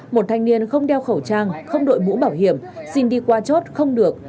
một thanh niên không đeo khẩu trang không đội mũ bảo hiểm xin đi qua chốt không được